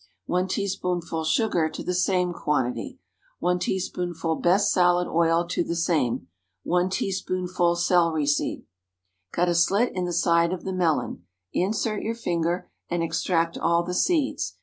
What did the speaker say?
1 teaspoonful sugar to the same quantity. 1 teaspoonful best salad oil to the same. 1 teaspoonful celery seed. Cut a slit in the side of the melon; insert your finger and extract all the seeds.